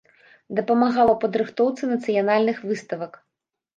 Дапамагала ў падрыхтоўцы нацыянальных выставак.